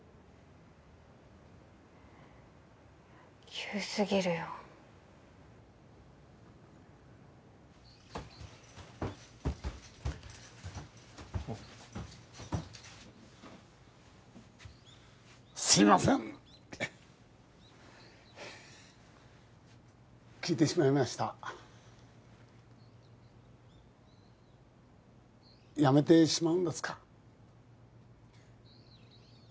急すぎるよあっすいません聞いてしまいました辞めてしまうんですか？